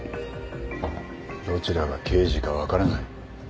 どちらが刑事か分からない。